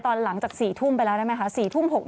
ตอนหลังจาก๔ทุ่มไปแล้วได้ไหมคะ